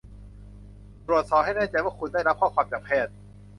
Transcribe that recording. ตรวจสอบให้แน่ใจว่าคุณได้รับข้อความจากแพทย์